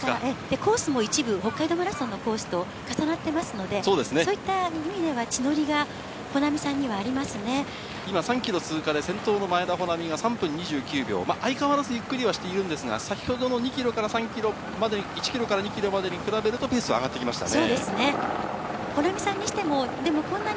コースも一部、北海道マラソンのコースと重なってますので、そういった意味では、地の利が、今３キロ通過で、先頭の前田穂南が３分２９秒。相変わらずゆっくりはしてるんですが、先ほどの２キロから３キロまで、１キロから２キロまでに比べるとペースは上がってきましたね。